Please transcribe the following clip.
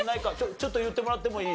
ちょっと言ってもらってもいい？